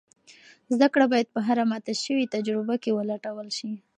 زده کړه باید په هره ماته شوې تجربه کې ولټول شي.